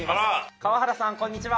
川原さんこんにちは。